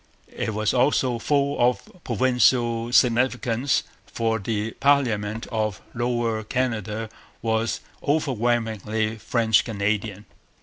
It was also full of political significance; for the parliament of Lower Canada was overwhelmingly French Canadian.